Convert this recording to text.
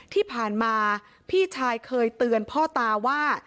ที่ผ่านมาพี่ชายเคยเตือนพ่อตาว่า